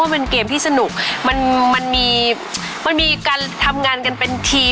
เป็นเกมที่สนุกมันมีการทำงานกันเป็นทีม